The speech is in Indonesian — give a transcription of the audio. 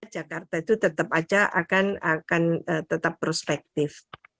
jakarta itu tetap saja akan tetap prospektif